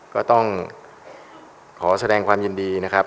ก็ต้องขอแสดงความยินดีนะครับ